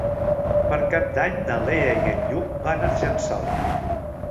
Per Cap d'Any na Lea i en Lluc van a Argençola.